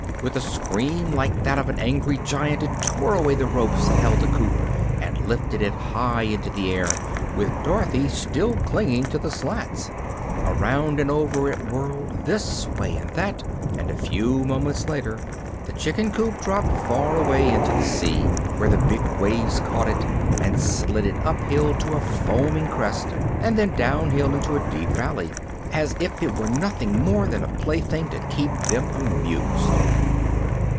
With a scream like that of an angry giant it tore away the ropes that held the coop and lifted it high into the air, with Dorothy still clinging to the slats. Around and over it whirled, this way and that, and a few moments later the chicken coop dropped far away into the sea, where the big waves caught it and slid it up hill to a foaming crest and then down hill into a deep valley, as if it were nothing more than a plaything to keep them amused.